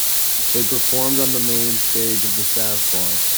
They performed on the Main Stage of the Sasquatch!